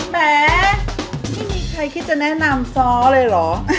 แม้ไม่มีใครคิดจะแนะนำซ้อเลยเหรอ